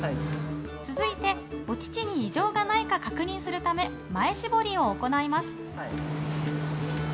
続いてお乳に異常がないか確認するため前搾りを行います。